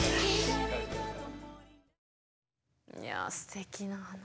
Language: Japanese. いやすてきな話。